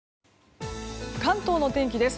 関東のお天気です。